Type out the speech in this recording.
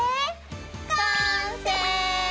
完成！